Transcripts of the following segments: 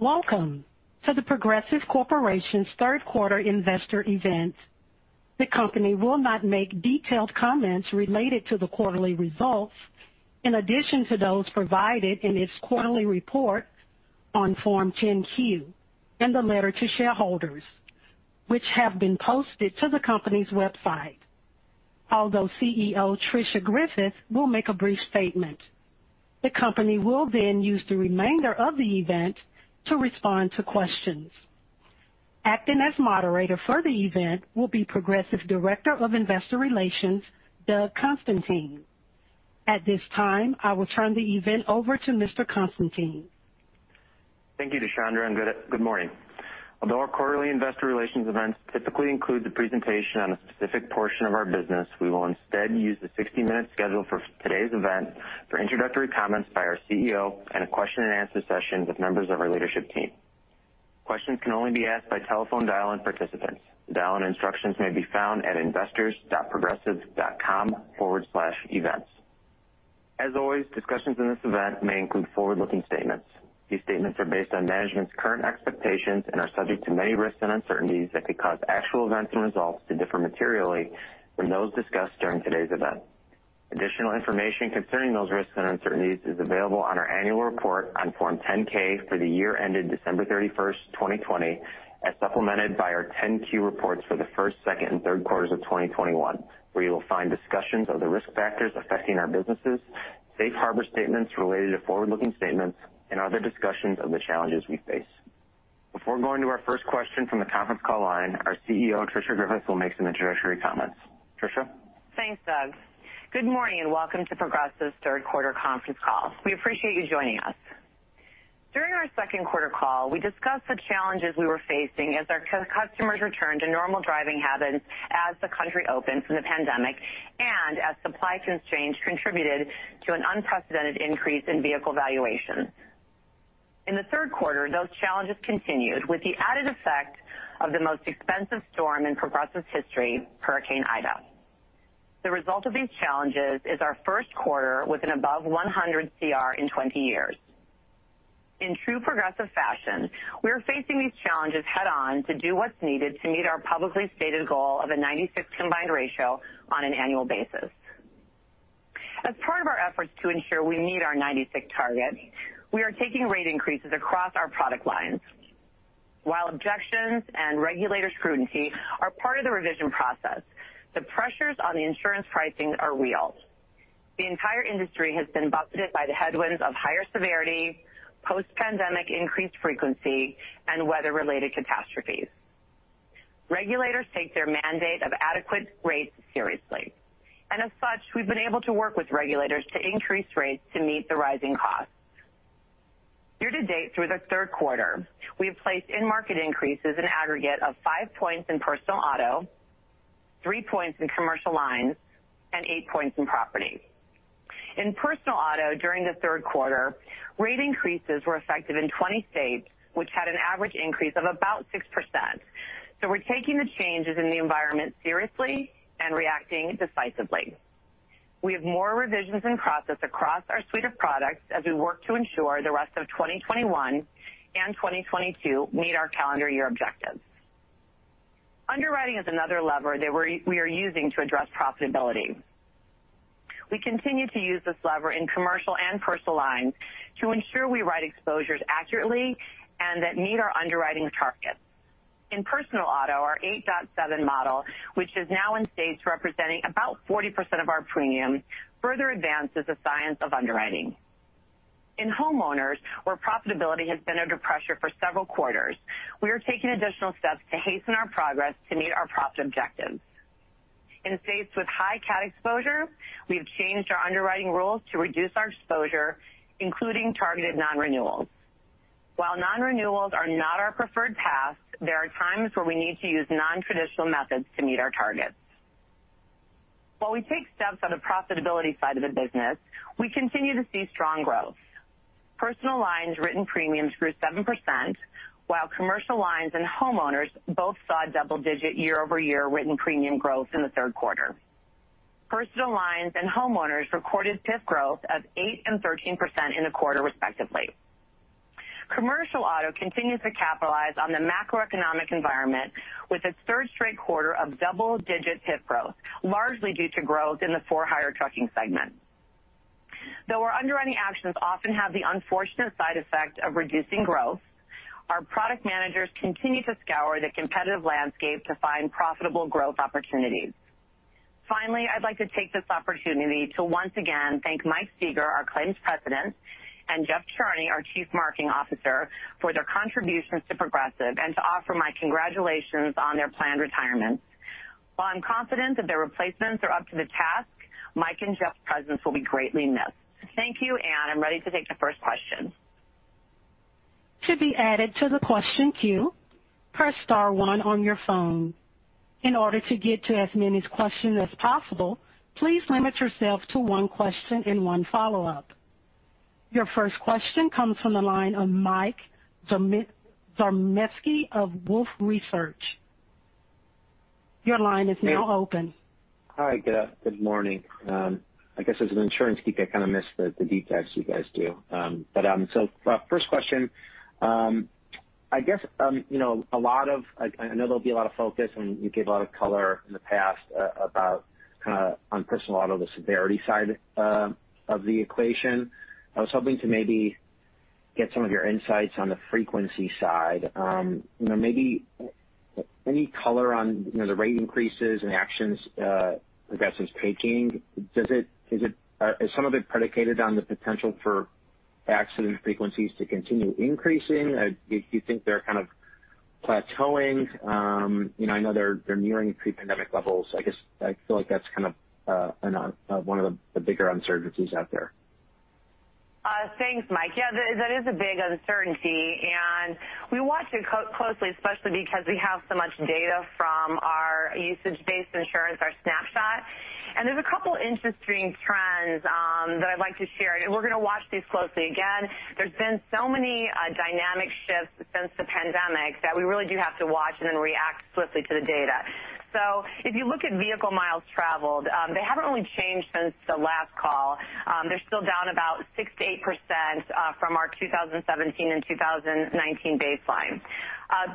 Welcome to The Progressive Corporation's Third Quarter Investor Event. The company will not make detailed comments related to the quarterly results in addition to those provided in its quarterly report on Form 10-Q and the Letter to Shareholders, which have been posted to the company's website. Although CEO Tricia Griffith will make a brief statement, the company will then use the remainder of the event to respond to questions. Acting as moderator for the event will be Progressive Director of Investor Relations, Doug Constantine. At this time, I will turn the event over to Mr. Constantine. Thank you, Deshandra, and good morning. Although our quarterly investor relations events typically include the presentation on a specific portion of our business, we will instead use the 60-minute schedule for today's event for introductory comments by our CEO and a question-and-answer session with members of our leadership team. Questions can only be asked by telephone dial-in participants. Dial-in instructions may be found at investors.progressive.com/events. As always, discussions in this event may include forward-looking statements. These statements are based on management's current expectations and are subject to many risks and uncertainties that could cause actual events and results to differ materially from those discussed during today's event. Additional information concerning those risks and uncertainties is available on our annual report on Form 10-K for the year ended December 31st, 2020, as supplemented by our 10-Q reports for the first, second, and third quarters of 2021, where you will find discussions of the risk factors affecting our businesses, Safe Harbor statements related to forward-looking statements, and other discussions of the challenges we face. Before going to our first question from the conference call line, our CEO, Tricia Griffith, will make some introductory comments. Tricia? Thanks, Doug. Good morning and welcome to Progressive's Third Quarter Conference Call. We appreciate you joining us. During our second quarter call, we discussed the challenges we were facing as our customers returned to normal driving habits as the country opened from the pandemic and as supply constraints contributed to an unprecedented increase in vehicle valuations. In the third quarter, those challenges continued, with the added effect of the most expensive storm in Progressive's history, Hurricane Ida. The result of these challenges is our first quarter with an above 100 CR in 20 years. In true Progressive fashion, we are facing these challenges head on to do what's needed to meet our publicly stated goal of a 96% combined ratio on an annual basis. As part of our efforts to ensure we meet our 96% target, we are taking rate increases across our product lines. While objections and regulator scrutiny are part of the revision process, the pressures on the insurance pricing are real. The entire industry has been buffeted by the headwinds of higher severity, post-pandemic increased frequency, and weather-related catastrophes. Regulators take their mandate of adequate rates seriously, and as such, we've been able to work with regulators to increase rates to meet the rising costs. Year to date through the third quarter, we have placed in-market increases in aggregate of 5 points in Personal Auto, 3 points in Commercial Lines, and 8 points in Property. In Personal Auto during the third quarter, rate increases were effective in 20 states, which had an average increase of about 6%. We're taking the changes in the environment seriously and reacting decisively. We have more revisions in process across our suite of products as we work to ensure the rest of 2021 and 2022 meet our calendar year objectives. Underwriting is another lever that we are using to address profitability. We continue to use this lever in Commercial and Personal Lines to ensure we write exposures accurately and that meet our underwriting targets. In Personal Auto, our 8.7 model, which is now in states representing about 40% of our premiums, further advances the science of underwriting. In Homeowners, where profitability has been under pressure for several quarters, we are taking additional steps to hasten our progress to meet our profit objectives. In states with high cat exposure, we have changed our underwriting rules to reduce our exposure, including targeted non-renewals. While non-renewals are not our preferred path, there are times where we need to use non-traditional methods to meet our targets. While we take steps on the profitability side of the business, we continue to see strong growth. Personal Lines written premiums grew 7%, while Commercial Lines and Homeowners both saw double-digit year-over-year written premium growth in the third quarter. Personal Lines and Homeowners recorded PIF growth of 8% and 13% in the quarter, respectively. Commercial Auto continues to capitalize on the macroeconomic environment with its third straight quarter of double-digit PIF growth, largely due to growth in the for-hire trucking segment. Though our underwriting actions often have the unfortunate side effect of reducing growth, our product managers continue to scour the competitive landscape to find profitable growth opportunities. Finally, I'd like to take this opportunity to once again thank Mike Sieger, our Claims President, and Jeff Charney, our Chief Marketing Officer, for their contributions to Progressive and to offer my congratulations on their planned retirement. While I'm confident that their replacements are up to the task, Mike and Jeff's presence will be greatly missed. Thank you, and I'm ready to take the first question. To be added to the question queue, press star one on your phone. In order to get to as many questions as possible, please limit yourself to one question and one follow-up. Your first question comes from the line of Mike Zaremski of Wolfe Research. Your line is now open. Hi, good morning. I guess as an insurance geek, I kind of missed the details you guys do. First question, I guess you know, a lot of. I know there'll be a lot of focus, and you gave a lot of color in the past about kind of on Personal Auto, the severity side of the equation. I was hoping to maybe get some of your insights on the frequency side. You know, maybe any color on you know, the rate increases and actions Progressive's taking. Is some of it predicated on the potential for accident frequencies to continue increasing? Do you think they're kind of plateauing? You know, I know they're nearing pre-pandemic levels. I guess I feel like that's kind of one of the bigger uncertainties out there. Thanks, Mike. Yeah, that is a big uncertainty, and we watch it closely, especially because we have so much data from our usage-based insurance, our Snapshot. There's a couple interesting trends that I'd like to share, and we're going to watch these closely. Again, there's been so many dynamic shifts since the pandemic that we really do have to watch and then react swiftly to the data. If you look at vehicle miles traveled, they haven't really changed since the last call. They're still down about 6%-8% from our 2017 and 2019 baseline.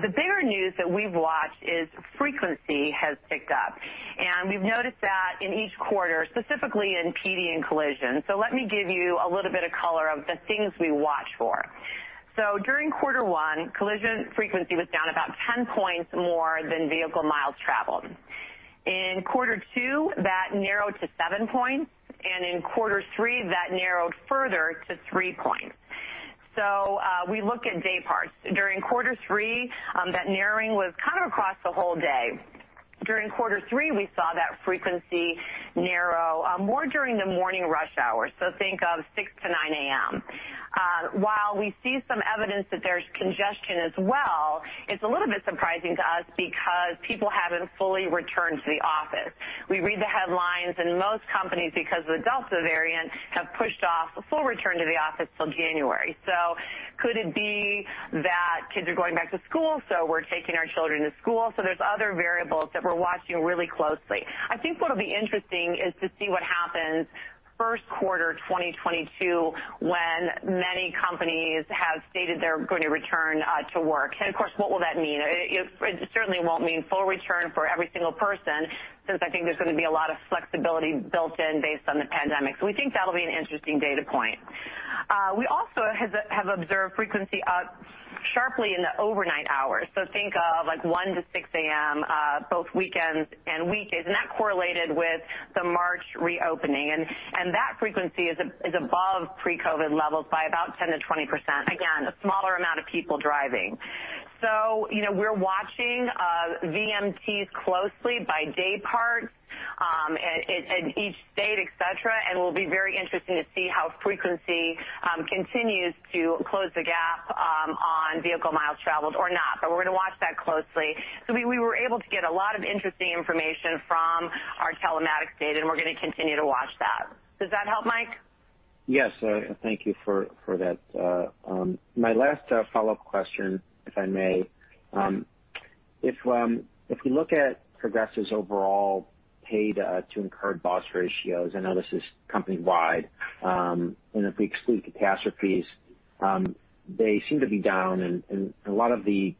The bigger news that we've watched is frequency has picked up, and we've noticed that in each quarter, specifically in PD and collision. Let me give you a little bit of color on the things we watch for. During quarter one, collision frequency was down about 10 points more than vehicle miles traveled. In quarter two, that narrowed to 7 points, and in quarter three, that narrowed further to 3 points. We look at day parts. During quarter three, that narrowing was kind of across the whole day. During quarter three, we saw that frequency narrow more during the morning rush hours, so think of 6:00AM-9:00AM. While we see some evidence that there's congestion as well, it's a little bit surprising to us because people haven't fully returned to the office. We read the headlines, and most companies, because of the Delta variant, have pushed off a full return to the office till January. Could it be that kids are going back to school, so we're taking our children to school? There's other variables that we're watching really closely. I think what'll be interesting is to see what happens first quarter 2022 when many companies have stated they're going to return to work. Of course, what will that mean? It certainly won't mean full return for every single person since I think there's going to be a lot of flexibility built in based on the pandemic. We think that'll be an interesting data point. We also have observed frequency up sharply in the overnight hours, so think of, like, 1:00AM-6:00AM., both weekends and weekdays, and that correlated with the March reopening. That frequency is above pre-COVID levels by about 10%-20%, again, a smaller amount of people driving. We're watching VMTs closely by day parts and each state, et cetera, and it will be very interesting to see how frequency continues to close the gap on vehicle miles traveled or not. We're going to watch that closely. We were able to get a lot of interesting information from our telematics data, and we're going to continue to watch that. Does that help, Mike? Yes, thank you for that. My last follow-up question, if I may. Sure. If we look at Progressive's overall paid-to-incurred loss ratios, I know this is company-wide, and if we exclude catastrophes, they seem to be down, and for a lot of the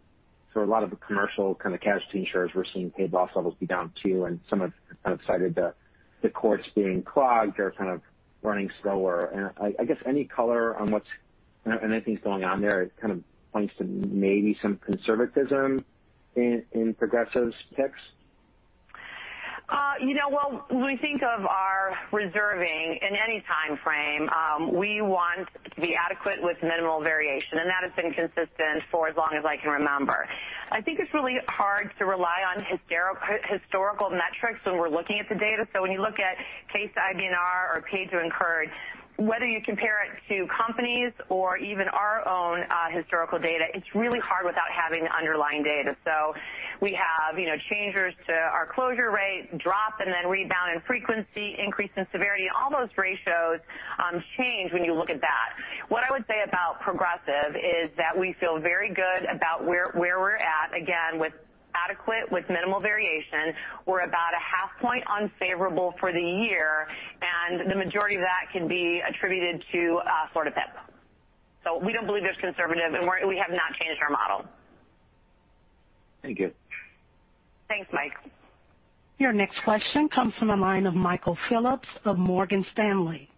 commercial kind of casualty insurers, we're seeing paid loss levels be down too, and some have kind of cited the courts being clogged. They're kind of running slower. I guess any color on what's and anything going on there? It kind of points to maybe some conservatism in Progressive's picks. You know, well, when we think of our reserving in any timeframe, we want to be adequate with minimal variation, and that has been consistent for as long as I can remember. I think it's really hard to rely on historical metrics when we're looking at the data. When you look at case IBNR or paid to incurred, whether you compare it to companies or even our own historical data, it's really hard without having the underlying data. We have, you know, changes to our closure rate, drop and then rebound in frequency, increase in severity. All those ratios change when you look at that. What I would say about Progressive is that we feel very good about where we're at, again, with adequate, minimal variation. We're about a half point unfavorable for the year, and the majority of that can be attributed to Florida PIP. We don't believe it's conservative, and we have not changed our model. Thank you. Thanks, Mike. Your next question comes from the line of Michael Phillips of Morgan Stanley.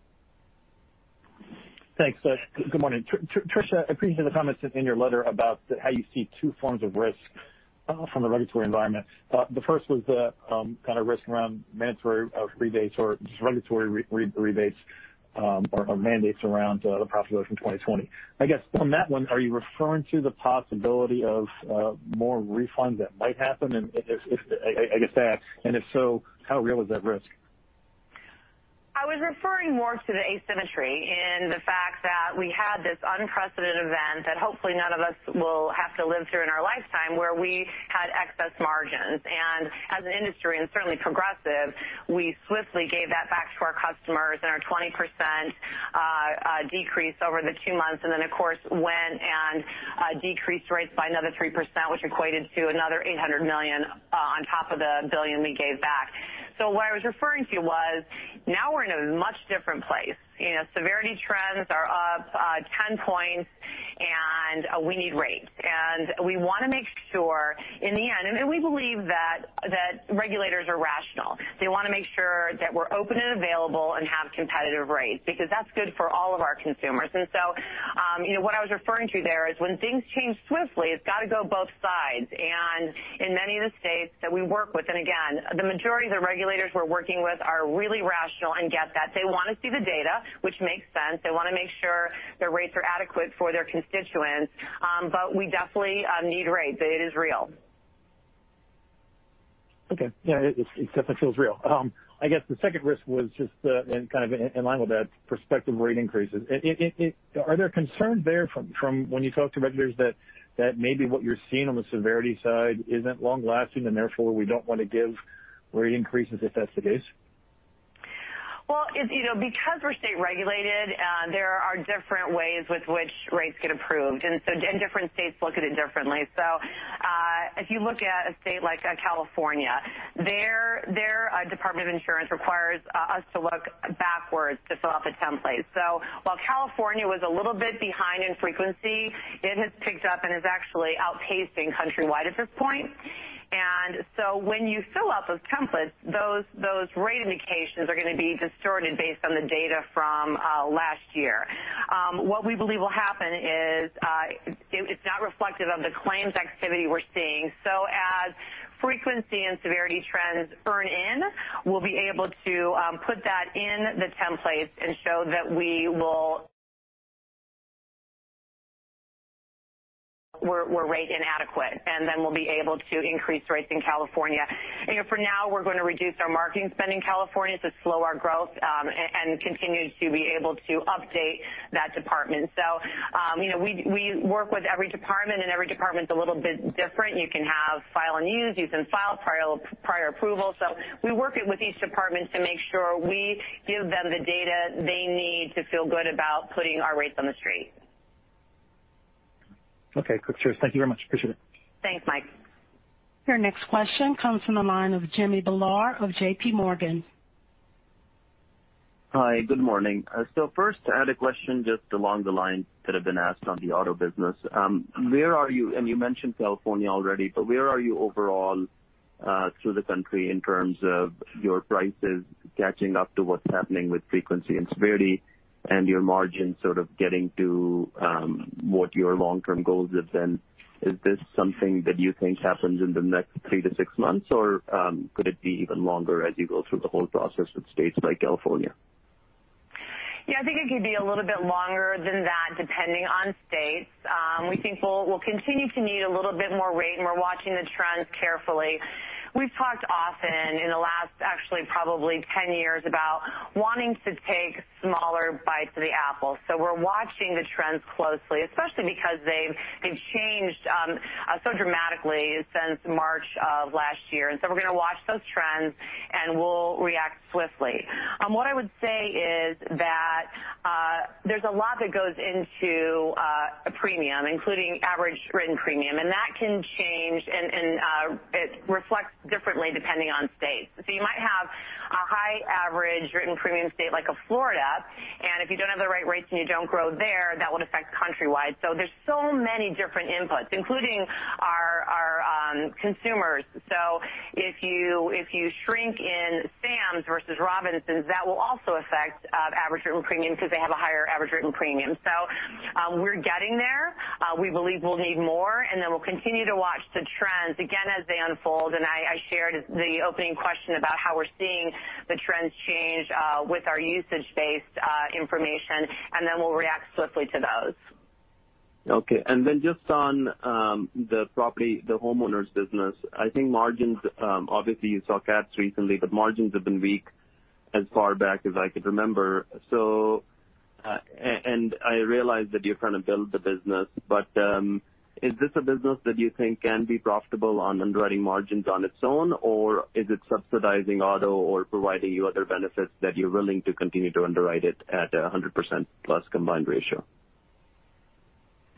Thanks. Good morning. Tricia, I appreciate the comments in your letter about how you see two forms of risk from the regulatory environment. The first was the kind of risk around mandatory rebates or just regulatory rebates or mandates around the Proposition 2020. I guess on that one, are you referring to the possibility of more refunds that might happen? If so, how real is that risk? I was referring more to the asymmetry and the fact that we had this unprecedented event that hopefully none of us will have to live through in our lifetime, where we had excess margins. As an industry, and certainly Progressive, we swiftly gave that back to our customers in our 20% decrease over the two months, and then of course went and decreased rates by another 3%, which equated to another $800 million on top of the $1 billion we gave back. What I was referring to was now we're in a much different place. Severity trends are up 10 points and we need rates. We want to make sure in the end, and we believe that regulators are rational. They want to make sure that we're open and available and have competitive rates because that's good for all of our consumers. What I was referring to there is when things change swiftly, it's got to go both sides. In many of the states that we work with, and again, the majority of the regulators we're working with are really rational and get that. They want to see the data, which makes sense. They want to make sure their rates are adequate for their constituents. We definitely need rates. It is real. Okay. Yeah, it definitely feels real. I guess the second risk was just kind of in line with that prospective rate increases. Are there concerns there from when you talk to regulators that maybe what you're seeing on the severity side isn't long lasting, and therefore we don't want to give rate increases if that's the case? Well, it's, you know, because we're state regulated, there are different ways with which rates get approved, and different states look at it differently. If you look at a state like California, their department of insurance requires us to look backwards to fill out the template. While California was a little bit behind in frequency, it has picked up and is actually outpacing countrywide at this point. When you fill out those templates, those rate indications are going to be distorted based on the data from last year. What we believe will happen is, it's not reflective of the claims activity we're seeing. As frequency and severity trends earn in, we'll be able to put that in the templates and show that we're rate inadequate, and then we'll be able to increase rates in California. You know, for now, we're going to reduce our marketing spend in California to slow our growth, and continue to be able to update that department. You know, we work with every department, and every department is a little bit different. You can have file and use. You can file prior approval. We work it with each department to make sure we give them the data they need to feel good about putting our rates on the street. Okay, cool. Cheers. Thank you very much. Appreciate it. Thanks, Mike. Your next question comes from the line of Jimmy Bhullar of JPMorgan. Hi. Good morning. First, I had a question just along the lines that have been asked on the Auto business. Where are you, and you mentioned California already, but where are you overall, through the country in terms of your prices catching up to what's happening with frequency and severity and your margin sort of getting to, what your long-term goals have been? Is this something that you think happens in the next three to six months, or could it be even longer as you go through the whole process with states like California? Yeah, I think it could be a little bit longer than that, depending on states. We think we'll continue to need a little bit more rate, and we're watching the trends carefully. We've talked often in the last, actually, probably 10 years, about wanting to take smaller bites of the apple. We're watching the trends closely, especially because they've changed so dramatically since March of last year, and we're going to watch those trends, and we'll react swiftly. What I would say is that there's a lot that goes into a premium, including average written premium, and that can change, and it reflects differently depending on state. You might have a high average written premium state like Florida, and if you don't have the right rates and you don't grow there, that would affect countrywide. There's so many different inputs, including our consumers. If you shrink in Sams versus Robinsons, that will also affect average written premium because they have a higher average written premium. We're getting there. We believe we'll need more, and then we'll continue to watch the trends again as they unfold. I shared the opening question about how we're seeing the trends change with our usage-based information, and then we'll react swiftly to those. Okay. Just on the Property, the Homeowners' business, I think margins obviously you saw cats recently, but margins have been weak as far back as I could remember. I realize that you're trying to build the business, but is this a business that you think can be profitable on underwriting margins on its own, or is it subsidizing auto or providing you other benefits that you're willing to continue to underwrite it at 100% plus combined ratio?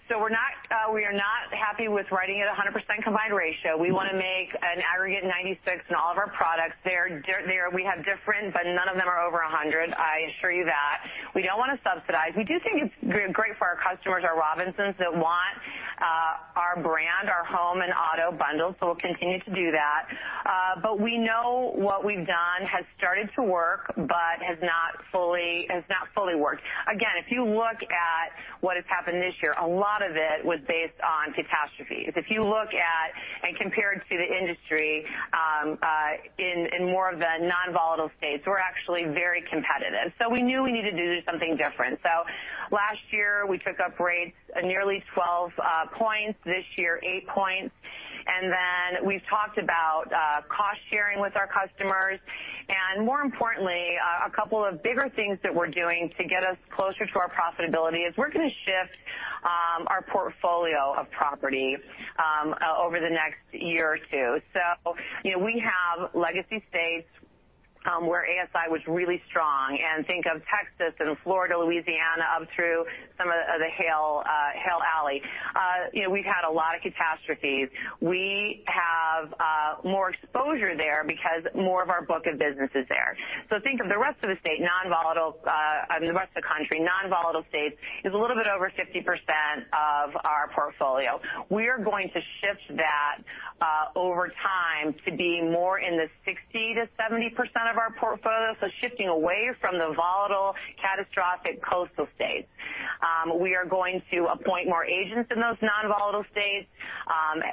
We are not happy with writing at 100% combined ratio. We want to make an aggregate 96% in all of our products. We have different, but none of them are over 100%. I assure you that. We don't want to subsidize. We do think it's great for our customers, our Robinsons, that want our brand, our home and auto bundles, so we'll continue to do that. But we know what we've done has started to work but has not fully worked. Again, if you look at what has happened this year, a lot of it was based on catastrophes. If you look at and compared to the industry in more of the non-volatile states, we're actually very competitive. We knew we needed to do something different. Last year we took up rates nearly 12 points, this year, 8 points. We've talked about cost-sharing with our customers. More importantly, a couple of bigger things that we're doing to get us closer to our profitability is we're going to shift our portfolio of Property over the next year or two. You know, we have legacy states, where ASI was really strong, and think of Texas and Florida, Louisiana, up through some of the Hail Alley. You know, we've had a lot of catastrophes. We have more exposure there because more of our book of business is there. Think of the rest of the state, non-volatile, I mean, the rest of the country, non-volatile states is a little bit over 50% of our portfolio. We are going to shift that over time to being more in the 60%-70% of our portfolio, so shifting away from the volatile, catastrophic coastal states. We are going to appoint more agents in those non-volatile states,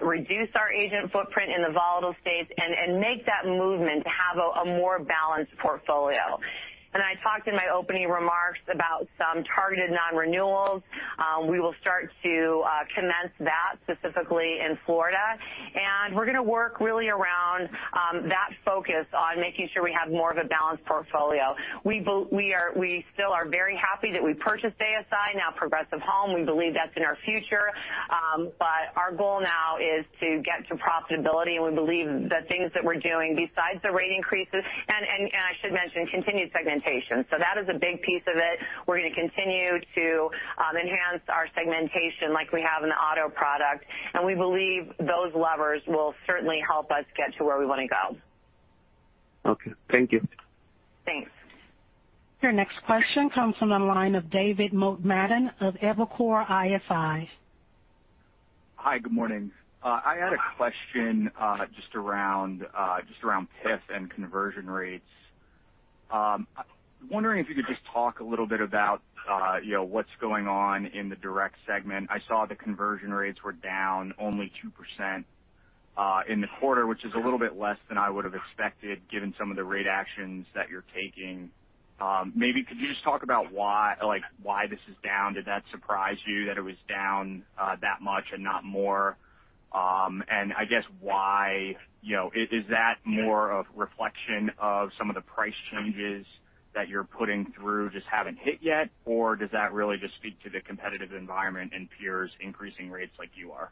reduce our agent footprint in the volatile states and make that movement to have a more balanced portfolio. I talked in my opening remarks about some targeted nonrenewals. We will start to commence that specifically in Florida. We're going to work really around that focus on making sure we have more of a balanced portfolio. We still are very happy that we purchased ASI, now Progressive Home. We believe that's in our future. Our goal now is to get to profitability, and we believe the things that we're doing besides the rate increases, and I should mention continued segmentation. That is a big piece of it. We're going to continue to enhance our segmentation like we have in the Auto product, and we believe those levers will certainly help us get to where we want to go. Okay. Thank you. Thanks. Your next question comes from the line of David Motemaden of Evercore ISI. Hi. Good morning. I had a question just around PIF and conversion rates. I'm wondering if you could just talk a little bit about you know what's going on in the Direct segment. I saw the conversion rates were down only 2% in the quarter, which is a little bit less than I would have expected given some of the rate actions that you're taking. Maybe could you just talk about why like why this is down? Did that surprise you that it was down that much and not more? And I guess why you know is that more of reflection of some of the price changes that you're putting through just haven't hit yet, or does that really just speak to the competitive environment and peers increasing rates like you are?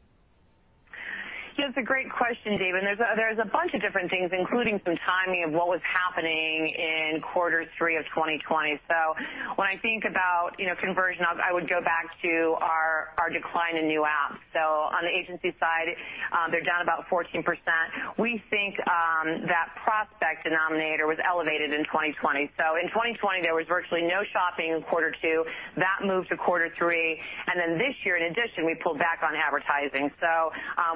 Yeah. It's a great question, David. There's a bunch of different things, including some timing of what was happening in quarter three of 2020. When I think about, you know, conversion, I would go back to our decline in new apps. On the Agency side, they're down about 14%. We think that prospect denominator was elevated in 2020. In 2020, there was virtually no shopping in quarter two. That moved to quarter three. This year, in addition, we pulled back on advertising.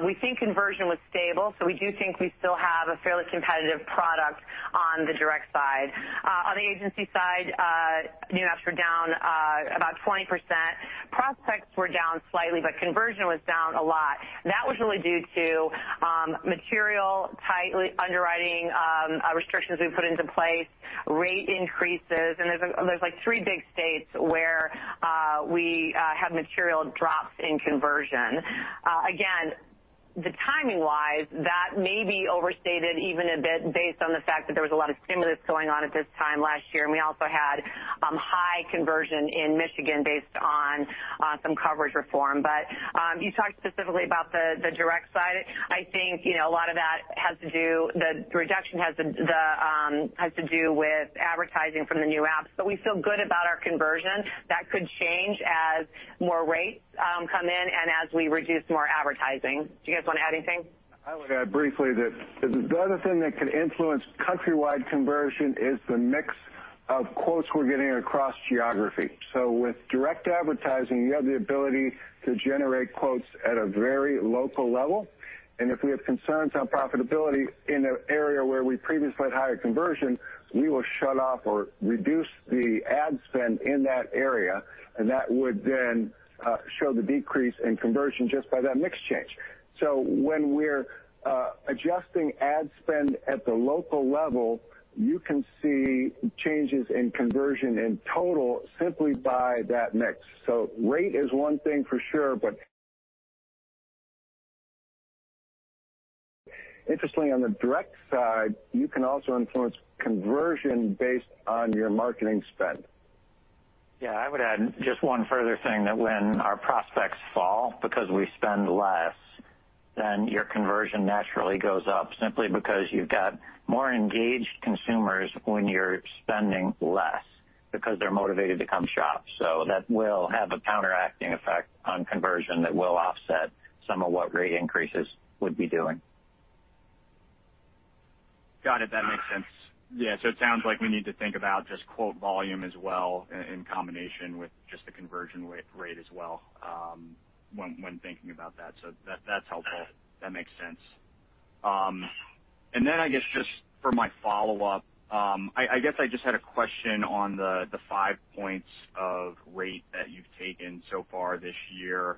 We think conversion was stable, so we do think we still have a fairly competitive product on the Direct side. On the Agency side, new apps were down about 20%. Prospects were down slightly, but conversion was down a lot. That was really due to material tightening underwriting restrictions we put into place, rate increases, and there's, like, three big states where we had material drops in conversion. Again, timing-wise, that may be overstated even a bit based on the fact that there was a lot of stimulus going on at this time last year, and we also had high conversion in Michigan based on some coverage reform. You talked specifically about the Direct side. I think, you know, a lot of that reduction has to do with advertising from the new apps. We feel good about our conversion. That could change as more rates come in and as we reduce more advertising. Do you guys want to add anything? I would add briefly that the other thing that could influence countrywide conversion is the mix of quotes we're getting across geography. With Direct advertising, you have the ability to generate quotes at a very local level. If we have concerns on profitability in an area where we previously had higher conversion, we will shut off or reduce the ad spend in that area, and that would then show the decrease in conversion just by that mix change. When we're adjusting ad spend at the local level, you can see changes in conversion in total simply by that mix. Rate is one thing for sure, but interestingly, on the Direct side, you can also influence conversion based on your marketing spend. Yeah, I would add just one further thing that when our prospects fall because we spend less, then your conversion naturally goes up simply because you've got more engaged consumers when you're spending less because they're motivated to come shop. That will have a counteracting effect on conversion that will offset some of what rate increases would be doing. Got it. That makes sense. Yeah, it sounds like we need to think about just quote volume as well in combination with just the conversion rate as well, when thinking about that. That's helpful. That makes sense. For my follow-up, I guess I just had a question on the 5 points of rate that you've taken so far this year.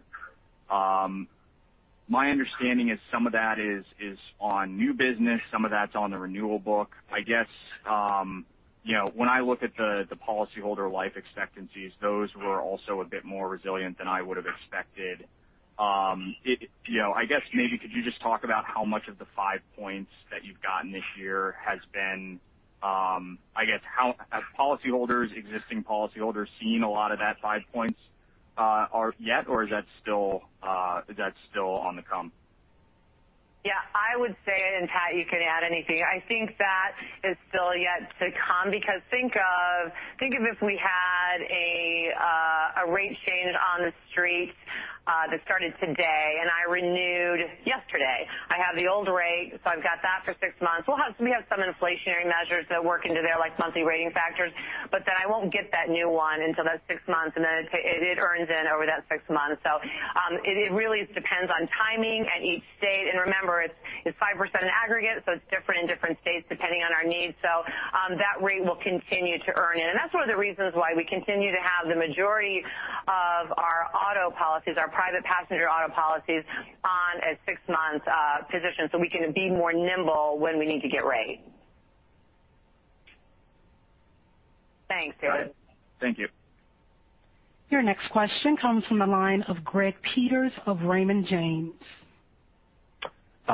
My understanding is some of that is on new business, some of that's on the renewal book. I guess, you know, when I look at the policyholder life expectancies, those were also a bit more resilient than I would have expected. You know, I guess maybe could you just talk about how much of the 5 points that you've gotten this year has been. Have policyholders, existing policyholders seen a lot of that 5 points, or yet, or is that still on the come? Yeah, I would say, and Pat, you can add anything. I think that is still yet to come because think of if we had a rate change on the street that started today and I renewed yesterday. I have the old rate, so I've got that for six months. We have some inflationary measures that work into there, like monthly rating factors, but then I won't get that new one until that six months, and then it earns in over that six months. It really depends on timing at each state. Remember it's 5% in aggregate, so it's different in different states depending on our needs. That rate will continue to earn in. That's one of the reasons why we continue to have the majority of our Auto policies, our private passenger auto policies on a six-month term, so we can be more nimble when we need to raise rates. Thanks, David. Got it. Thank you. Your next question comes from the line of Greg Peters of Raymond James.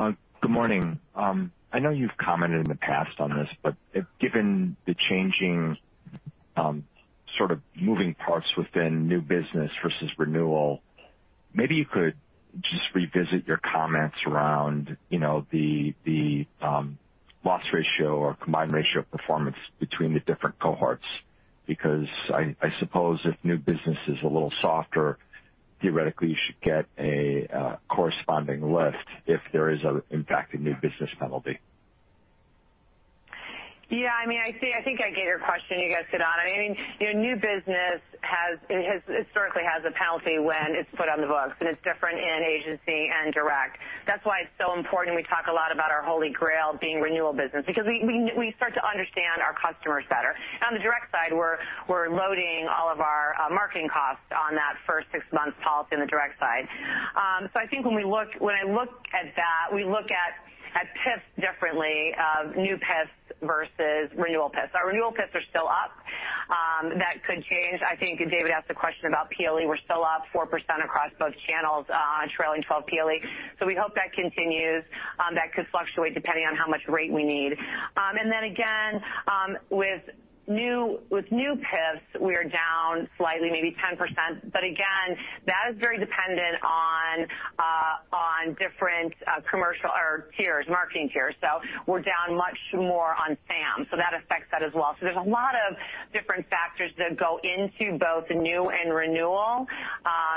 Good morning. I know you've commented in the past on this, but given the changing, sort of moving parts within new business versus renewal, maybe you could just revisit your comments around, you know, the loss ratio or combined ratio performance between the different cohorts. Because I suppose if new business is a little softer, theoretically you should get a corresponding lift if there is an impact of new business penalty. Yeah, I mean, I see. I think I get your question. You guys could add. I mean, new business historically has a penalty when it's put on the books, and it's different in Agency and Direct. That's why it's so important. We talk a lot about our Holy Grail being renewal business because we start to understand our customers better. On the Direct side, we're loading all of our marketing costs on that first six months policy on the Direct side. So, I think when I look at that, we look at PIFs differently, new PIFs versus renewal PIFs. Our renewal PIFs are still up. That could change. I think David asked a question about PLE. We're still up 4% across both channels, trailing 12 PLE. So, we hope that continues. That could fluctuate depending on how much rate we need. With new PIFs, we are down slightly, maybe 10%. But again, that is very dependent on different Commercial Auto tiers, marketing tiers. We're down much more on SAM, so that affects that as well. There's a lot of different factors that go into both new and renewal.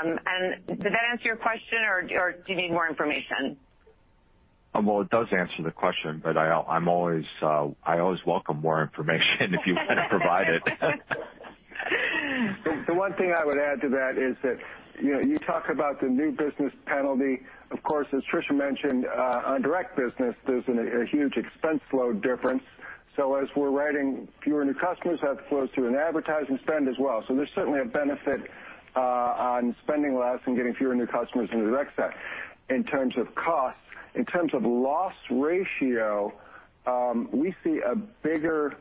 Did that answer your question, or do you need more information? Well, it does answer the question, but I'm always welcome more information if you want to provide it. The one thing I would add to that is that, you know, you talk about the new business penalty. Of course, as Tricia mentioned, on Direct business, there's a huge expense load difference. So, as we're writing, fewer new customers have to flow through an advertising spend as well. So, there's certainly a benefit on spending less and getting fewer new customers in the Direct side in terms of cost. In terms of loss ratio, we see a bigger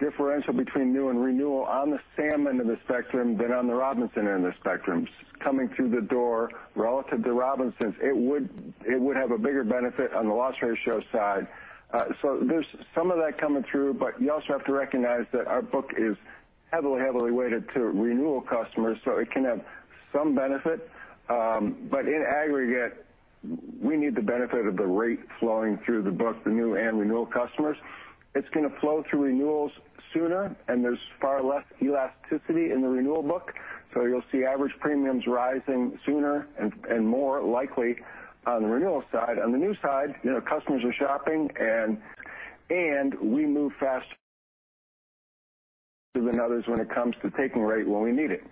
differential between new and renewal on the Sams end of the spectrum than on the Robinsons end of the spectrum. Coming through the door relative to Robinsons, it would have a bigger benefit on the loss ratio side. There's some of that coming through, but you also have to recognize that our book is heavily weighted to renewal customers, so it can have some benefit. In aggregate, we need the benefit of the rate flowing through the book, the new and renewal customers. It's going to flow through renewals sooner, and there's far less elasticity in the renewal book. You'll see average premiums rising sooner and more likely on the renewal side. On the new side, you know, customers are shopping and we move faster than others when it comes to taking rate when we need it.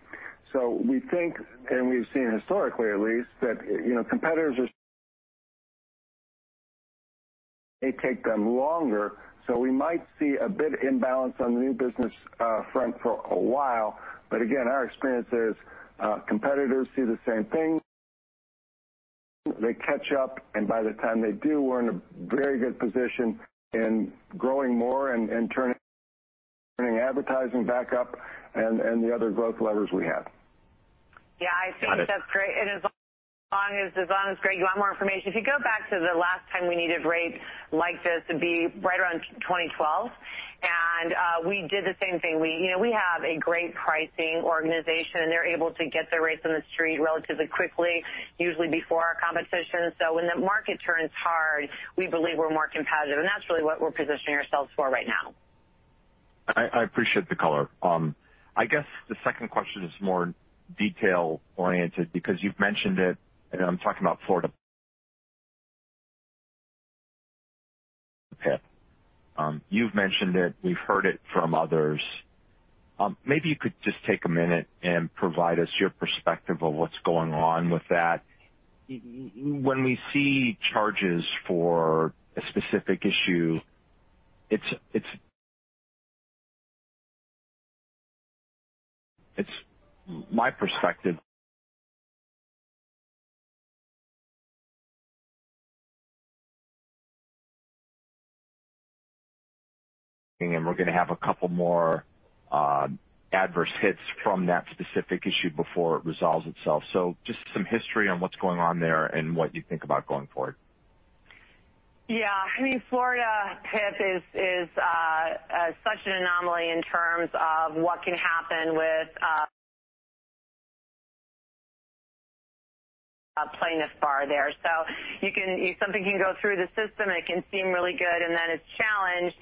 We think, and we've seen historically at least, that, you know, competitors take them longer. We might see a bit imbalance on the new business front for a while. Again, our experience is, competitors see the same thing. They catch up, and by the time they do, we're in a very good position in growing more and turning advertising back up and the other growth levers we have. Yeah, I think that's great. As long as Greg you want more information, if you go back to the last time, we needed rates like this, it'd be right around 2012. We did the same thing. We, you know, have a great pricing organization. They're able to get their rates in the street relatively quickly, usually before our competition. When the market turns hard, we believe we're more competitive, and that's really what we're positioning ourselves for right now. I appreciate the color. I guess the second question is more detail-oriented because you've mentioned it, and I'm talking about Florida. You've mentioned it, we've heard it from others. Maybe you could just take a minute and provide us your perspective of what's going on with that. When we see charges for a specific issue, it's my perspective. We're going to have a couple more adverse hits from that specific issue before it resolves itself. Just some history on what's going on there and what you think about going forward. Yeah. I mean, Florida PIP is such an anomaly in terms of what can happen with a plaintiff's bar there. Something can go through the system, and it can seem really good, and then it's challenged.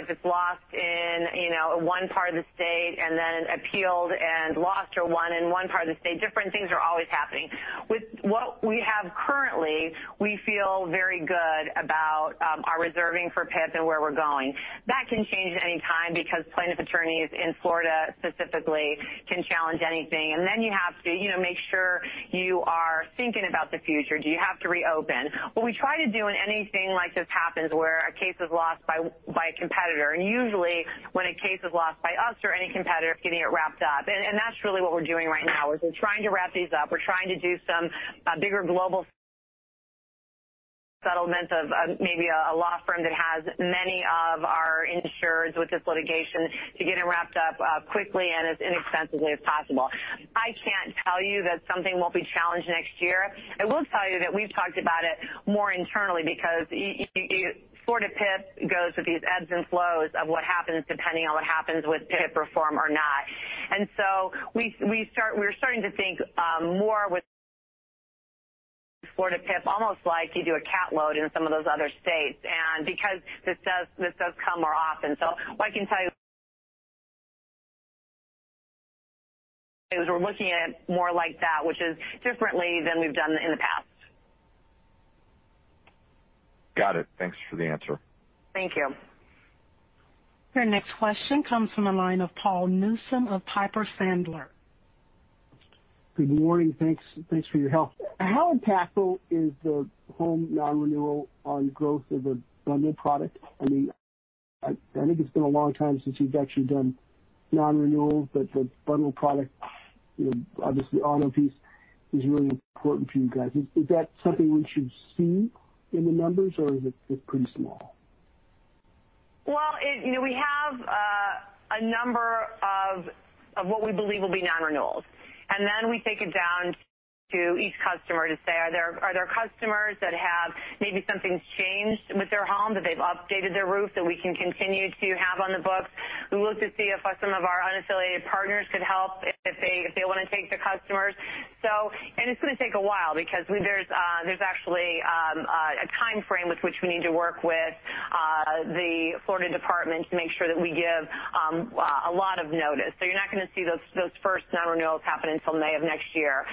If it's lost in, you know, one part of the state and then appealed and lost or won in one part of the state, different things are always happening. With what we have currently, we feel very good about our reserving for PIP and where we're going. That can change at any time because plaintiff attorneys in Florida specifically can challenge anything. You have to, you know, make sure you are thinking about the future. Do you have to reopen? What we try to do when anything like this happens, where a case is lost by a competitor, and usually when a case is lost by us or any competitor, is getting it wrapped up. That's really what we're doing right now, is we're trying to wrap these up. We're trying to do some bigger global settlements of maybe a law firm that has many of our insureds with this litigation to get it wrapped up quickly and as inexpensively as possible. I can't tell you that something won't be challenged next year. I will tell you that we've talked about it more internally because Florida PIP goes with these ebbs and flows of what happens, depending on what happens with PIP reform or not. We're starting to think more with Florida PIP, almost like you do a cat load in some of those other states. Because this does come more often. What I can tell you is we're looking at it more like that, which is differently than we've done in the past. Got it. Thanks for the answer. Thank you. Your next question comes from the line of Paul Newsome of Piper Sandler. Good morning. Thanks for your help. How impactful is the home non-renewal on growth of the bundle product? I mean, I think it's been a long time since you've actually done non-renewal, but the bundle product, you know, obviously, Auto piece is really important for you guys. Is that something we should see in the numbers, or is it pretty small? Well, you know, we have a number of what we believe will be non-renewals, and then we take it down to each customer to say, are there customers that have maybe something's changed with their home, that they've updated their roof, that we can continue to have on the books? We look to see if some of our unaffiliated partners could help if they want to take the customers. It's going to take a while because there's actually a timeframe with which we need to work with the Florida Department to make sure that we give a lot of notice. You're not going to see those first non-renewals happen until May of next year.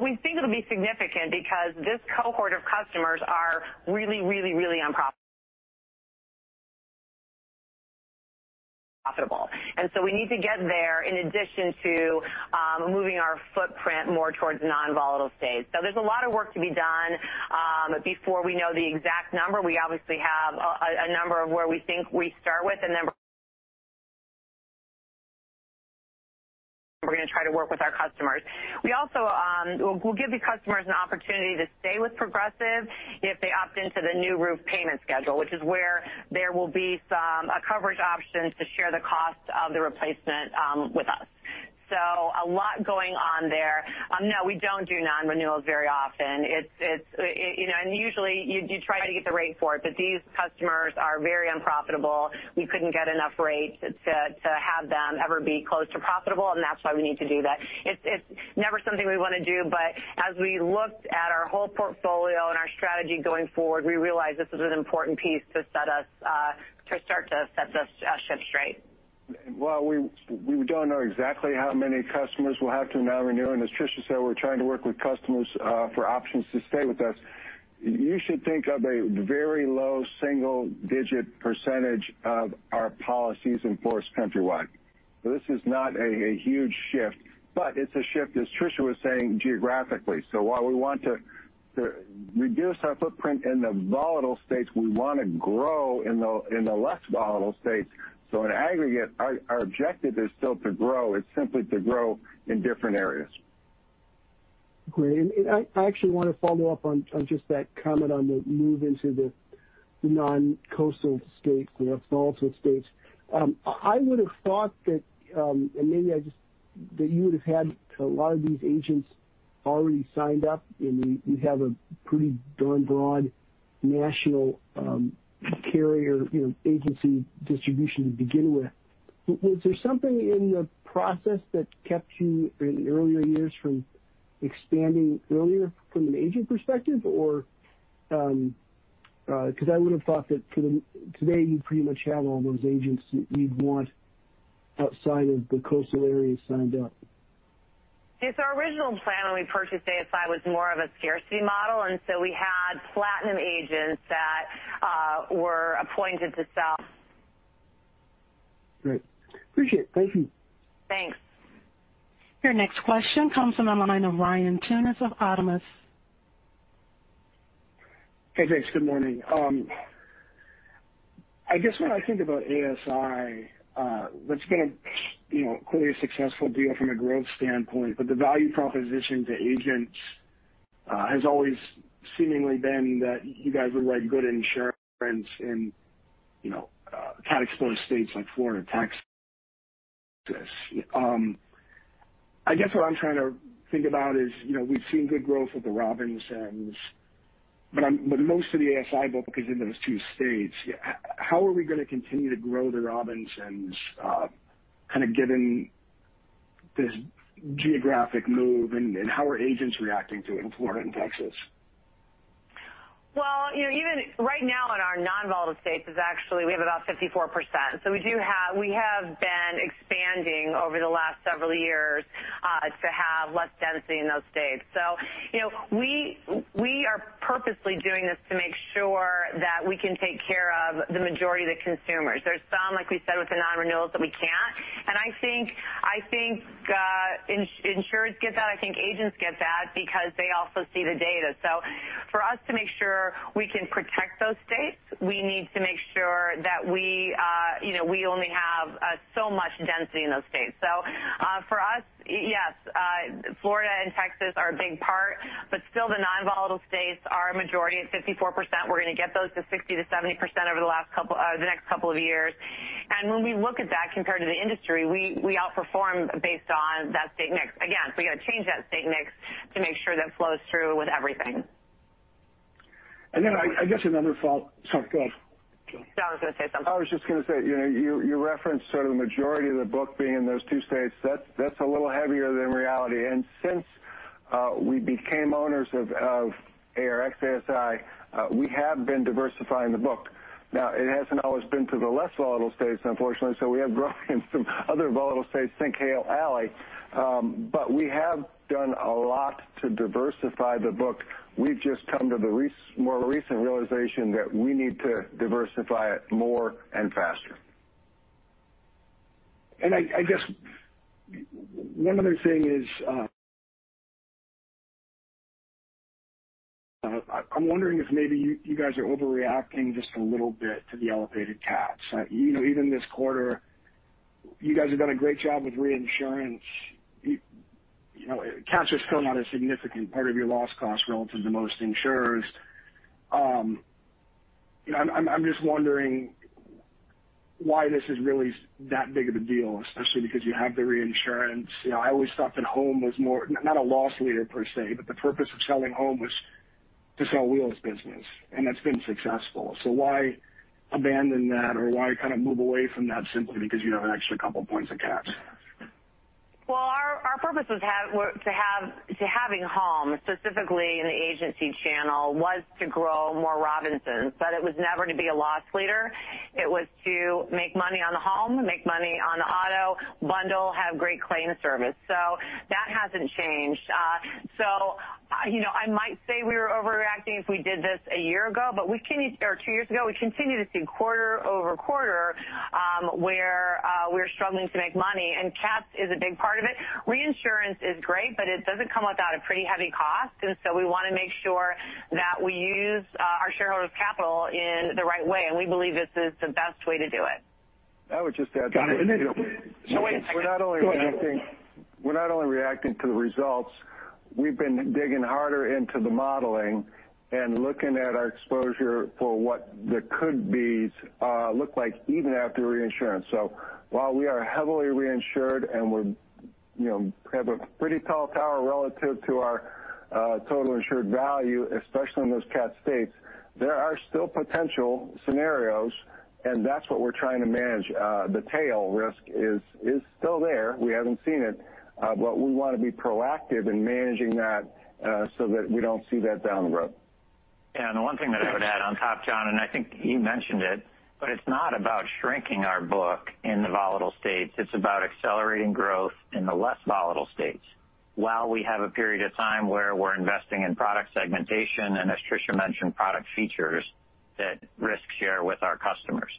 We think it'll be significant because this cohort of customers are really, really, really unprofitable. We need to get there in addition to moving our footprint more towards non-volatile states. There's a lot of work to be done before we know the exact number. We obviously have a number of where we think we start with, the number we're going to try to work with our customers. We also we'll give the customers an opportunity to stay with Progressive if they opt into the new roof payment schedule, which is where there will be some coverage options to share the cost of the replacement with us. A lot going on there. No, we don't do non-renewals very often. It's you know and usually you try to get the rate for it, but these customers are very unprofitable. We couldn't get enough rate to have them ever be close to profitable, and that's why we need to do that. It's never something we want to do, but as we looked at our whole portfolio and our strategy going forward, we realized this is an important piece to start to set the ship straight. Well, we don't know exactly how many customers we'll have to non-renew. As Tricia said, we're trying to work with customers for options to stay with us. You should think of a very low single-digit percentage of our policies in force countrywide. This is not a huge shift, but it's a shift, as Tricia was saying, geographically. While we want to reduce our footprint in the volatile states, we want to grow in the less volatile states. In aggregate, our objective is still to grow. It's simply to grow in different areas. Great. I actually want to follow up on just that comment on the move into the non-coastal states or volatile states. I would have thought that you would have had a lot of these agents already signed up, and you have a pretty darn broad national carrier, you know, Agency distribution to begin with. Was there something in the process that kept you in earlier years from expanding earlier from an agent perspective? Because I would have thought that today you pretty much have all those agents that you'd want outside of the coastal areas signed up. Yes, our original plan when we purchased ASI was more of a scarcity model, and so we had platinum agents that were appointed to sell. Great. Appreciate it. Thank you. Thanks. Your next question comes from the line of Ryan Tunis of Autonomous. Hey, thanks. Good morning. I guess when I think about ASI, that's been a, you know, clearly a successful deal from a growth standpoint, but the value proposition to agents has always seemingly been that you guys would write good insurance in, you know, cat exposed states like Florida, Texas. I guess what I'm trying to think about is, you know, we've seen good growth with the Robinsons. But most of the ASI book is in those two states. How are we going to continue to grow the Robinsons, kind of given this geographic move, and how are agents reacting to it in Florida and Texas? Well, you know, even right now in our non-volatile states, we actually have about 54%. We have been expanding over the last several years to have less density in those states. You know, we are purposely doing this to make sure that we can take care of the majority of the consumers. There's some, like we said, with the non-renewals that we can't. I think insurers get that. I think agents get that because they also see the data. For us to make sure we can protect those states, we need to make sure that you know, we only have so much density in those states. For us, yes, Florida and Texas are a big part, but still the non-volatile states are a majority at 54%. We're going to get those to 60%-70% over the next couple of years. When we look at that compared to the industry, we outperform based on that state mix. Again, we gotta change that state mix to make sure that flows through with everything. I guess another follow-up. Sorry, go ahead. John was going to say something. I was just going to say, you know, you referenced sort of the majority of the book being in those two states. That's a little heavier than reality. Since we became owners of ARX/ASI, we have been diversifying the book. Now, it hasn't always been to the less volatile states, unfortunately, so we have grown in some other volatile states, think Hail Alley. But we have done a lot to diversify the book. We've just come to the more recent realization that we need to diversify it more and faster. I guess one other thing is, I'm wondering if maybe you guys are overreacting just a little bit to the elevated cats. You know, even this quarter, you guys have done a great job with reinsurance. You know, cats are still not a significant part of your loss cost relative to most insurers. You know, I'm just wondering why this is really that big of a deal, especially because you have the reinsurance. You know, I always thought that home was more, not a loss leader per se, but the purpose of selling home was to sell Wheels business, and that's been successful. Why abandon that, or why kind of move away from that simply because you have an extra couple points of cats? Our purpose was to have home, specifically in the Agency channel, was to grow more Robinsons, but it was never to be a loss leader. It was to make money on the Home, make money on Auto, bundle, have great claim service. That hasn't changed. You know, I might say we were overreacting if we did this a year ago or two years ago. We continue to see quarter-over-quarter where we're struggling to make money, and cats is a big part of it. Reinsurance is great, but it doesn't come without a pretty heavy cost. We want to make sure that we use our shareholders' capital in the right way, and we believe this is the best way to do it. I would just add to that. Got it. No, wait a second. We're not only reacting to the results. We've been digging harder into the modeling and looking at our exposure for what the could bes look like even after reinsurance. While we are heavily reinsured and we have a pretty tall tower relative to our total insured value, especially in those cat states, there are still potential scenarios, and that's what we're trying to manage. The tail risk is still there. We haven't seen it, but we want to be proactive in managing that, so that we don't see that down the road. Yeah. The one thing that I would add on top, John, and I think you mentioned it, but it's not about shrinking our book in the volatile states. It's about accelerating growth in the less volatile states while we have a period of time where we're investing in product segmentation and as Tricia mentioned, product features that risk share with our customers.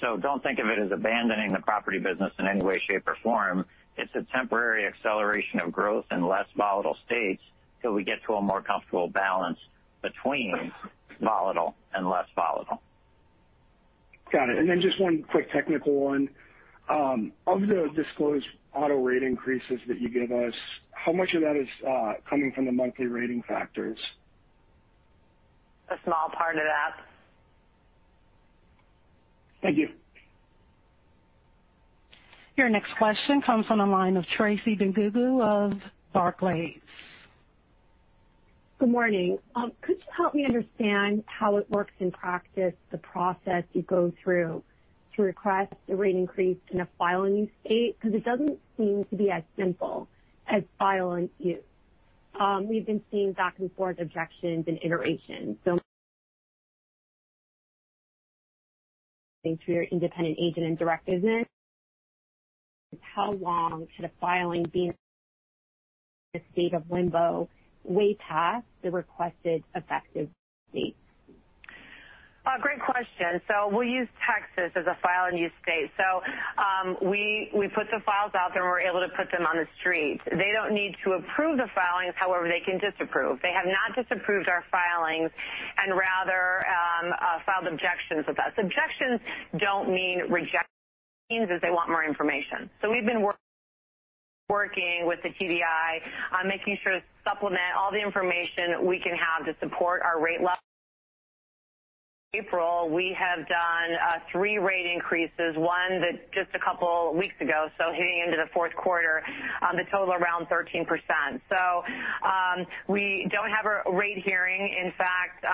Don't think of it as abandoning the property business in any way, shape, or form. It's a temporary acceleration of growth in less volatile states till we get to a more comfortable balance between volatile and less volatile. Got it. Just one quick technical one. Of the disclosed Auto rate increases that you gave us, how much of that is coming from the monthly rating factors? A small part of that. Thank you. Your next question comes from the line of Tracy Benguigui of Barclays. Good morning. Could you help me understand how it works in practice, the process you go through to request a rate increase in a file and use state? Because it doesn't seem to be as simple as file and use. We've been seeing back and forth objections and iterations. Through your independent agent and Direct business, how long should a filing be in the state of limbo way past the requested effective date? A great question. We'll use Texas as a file and use state. We put the files out there, and we're able to put them on the street. They don't need to approve the filings. However, they can disapprove. They have not disapproved our filings and rather filed objections with us. Objections don't mean rejection. It means that they want more information. We've been working with the TDI on making sure to supplement all the information we can have to support our rate levels. April, we have done rate increases, one that just a couple weeks ago, so hitting into the fourth quarter, the total around 13%. We don't have a rate hearing. In fact,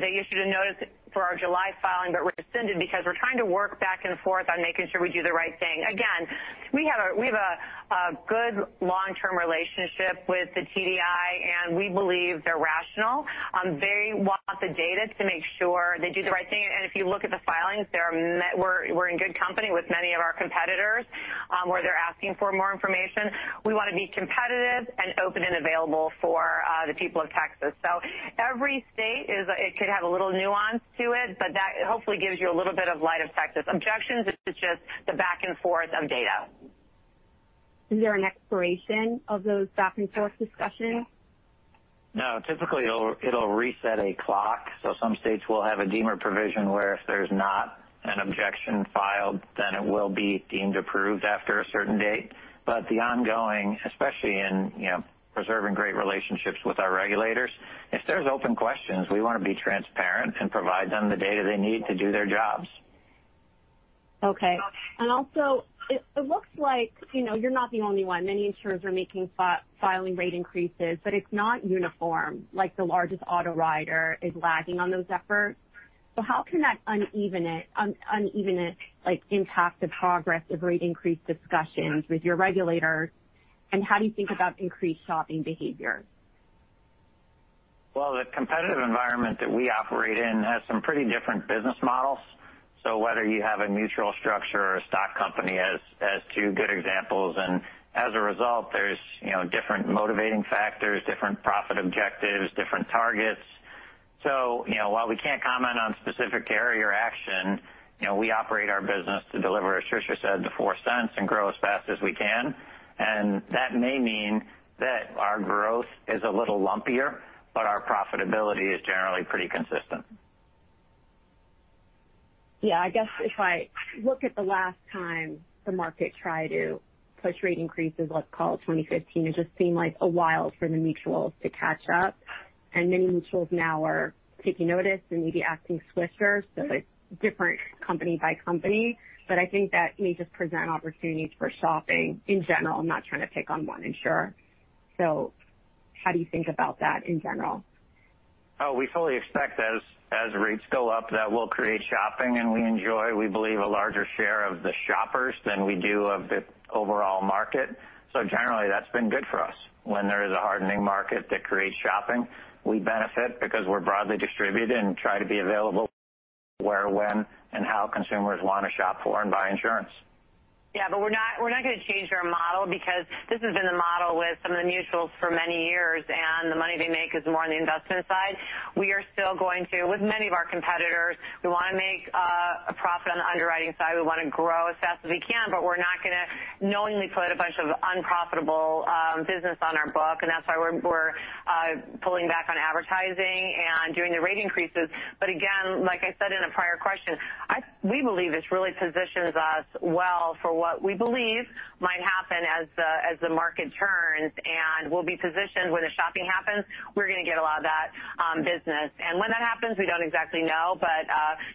they issued a notice for our July filing, but rescinded because we're trying to work back and forth on making sure we do the right thing. Again, we have a good long-term relationship with the TDI, and we believe they're rational. They want the data to make sure they do the right thing. If you look at the filings, we're in good company with many of our competitors, where they're asking for more information. We want to be competitive and open and available for the people of Texas. Every state it could have a little nuance to it, but that hopefully gives you a little bit of insight. This objection is just the back and forth on data. Is there an expiration of those back-and-forth discussions? No. Typically it'll reset a clock. Some states will have a deemer provision where if there's not an objection filed, then it will be deemed approved after a certain date. The ongoing, especially in, you know, preserving great relationships with our regulators, if there's open questions, we want to be transparent and provide them the data they need to do their jobs. Okay. Also, it looks like, you know, you're not the only one. Many insurers are making filing rate increases, but it's not uniform, like the largest auto writer is lagging on those efforts. How can that uneven it impact the progress of rate increase discussions with your regulators? How do you think about increased shopping behavior? Well, the competitive environment that we operate in has some pretty different business models. Whether you have a mutual structure or a stock company as two good examples, and as a result, there's, you know, different motivating factors, different profit objectives, different targets. While we can't comment on specific carrier action, you know, we operate our business to deliver, as Tricia said, the $0.04 and grow as fast as we can. That may mean that our growth is a little lumpier, but our profitability is generally pretty consistent. Yeah, I guess if I look at the last time the market tried to push rate increases, let's call it 2015, it just seemed like a while for the mutuals to catch up. Many mutuals now are taking notice and maybe acting swifter. It's different company by company. I think that may just present opportunities for shopping in general. I'm not trying to pick on one insurer. How do you think about that in general? Oh, we fully expect as rates go up, that will create shopping, and we enjoy, we believe, a larger share of the shoppers than we do of the overall market. Generally, that's been good for us. When there is a hardening market that creates shopping, we benefit because we're broadly distributed and try to be available where, when, and how consumers want to shop for and buy insurance. We're not going to change our model because this has been the model with some of the mutuals for many years, and the money they make is more on the investment side. We are still going to, with many of our competitors, we want to make a profit on the underwriting side. We want to grow as fast as we can, but we're not going to knowingly put a bunch of unprofitable business on our book. That's why we're pulling back on advertising and doing the rate increases. Again, like I said in a prior question, we believe this really positions us well for what we believe might happen as the market turns, and we'll be positioned when the shopping happens, we're going to get a lot of that business. When that happens, we don't exactly know, but